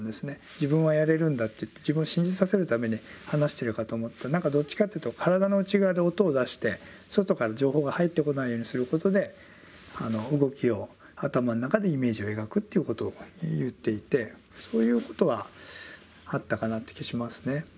「自分はやれるんだ」って言って自分を信じさせるために話してるかと思ったらどっちかっていうと体の内側で音を出して外から情報が入ってこないようにすることで動きを頭の中でイメージを描くっていうことを言っていてそういうことはあったかなっていう気はしますね。